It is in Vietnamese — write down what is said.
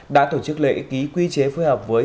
đã tổ chức lễ ký quy chế phối hợp với